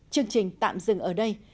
chương trình tạm dừng ở đây